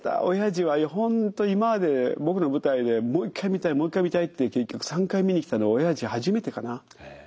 おやじは本当に今まで僕の舞台でもう一回見たいもう一回見たいって結局３回見に来たのはおやじ初めてかな。